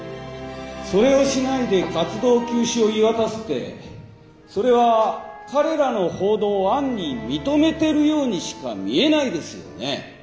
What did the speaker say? それをしないで活動休止を言い渡すってそれは彼らの報道を暗に認めてるようにしか見えないですよね。